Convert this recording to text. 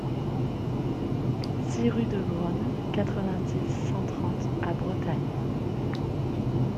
six rue de Grone, quatre-vingt-dix, cent trente à Bretagne